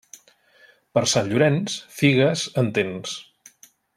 Per Sant Llorenç, figues, en tens.